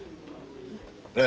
ええ。